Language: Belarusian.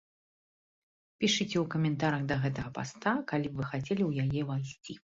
Пішыце ў каментарах да гэтага паста, калі вы хацелі б у яе увайсці.